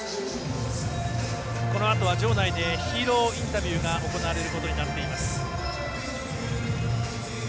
このあとは場内でヒーローインタビューが行われることになっています。